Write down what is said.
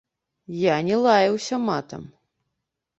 Я не лаяўся матам.